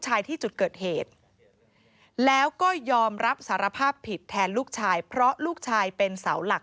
ที่จุดเกิดเหตุแล้วก็ยอมรับสารภาพผิดแทนลูกชายเพราะลูกชายเป็นเสาหลัก